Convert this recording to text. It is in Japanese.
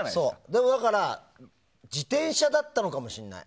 でも、だから自転車だったのかもしれない。